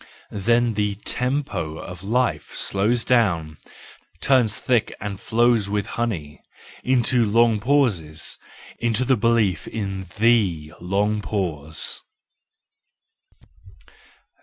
Then the tempo of life slows down—turns thick and flows with honey—into long pauses, into the belief in the long pause.